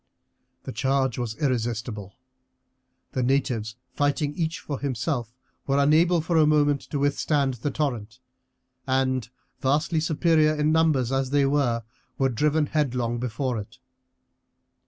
The charge was irresistible. The natives, fighting each for himself, were unable for a moment to withstand the torrent, and, vastly superior in numbers as they were, were driven headlong before it.